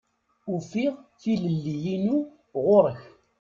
Ufiɣ tilelli-inu ɣur-k.